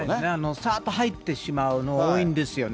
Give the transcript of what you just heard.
さーっと入っていただくのが多いんですよね。